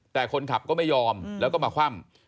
แต่คนขับก็ไม่ยอมแล้วก็มาคว่ำ